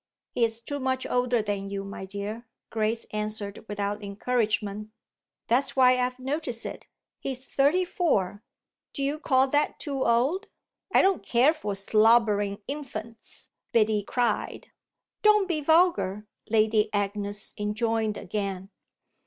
"He's too much older than you, my dear," Grace answered without encouragement. "That's why I've noticed it he's thirty four. Do you call that too old? I don't care for slobbering infants!" Biddy cried. "Don't be vulgar," Lady Agnes enjoined again.